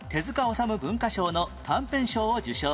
治虫文化賞の短編賞を受賞